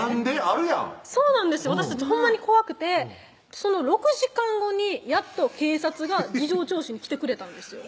あるやん私たちほんまに怖くてその６時間後にやっと警察が事情聴取に来てくれたんですよ